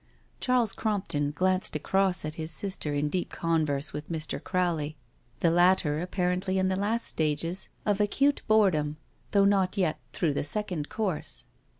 Charles Crompton glanced across at his sister in deep converse with Mr. Crowley; the letter apparently in the last stages of 224 NO SURRENDER acute boredom, though not yet through the second course.